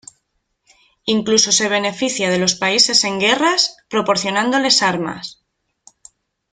Incluso se beneficia de los países en guerras proporcionándoles armas.